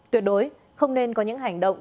tuyệt đối không nên có những hành động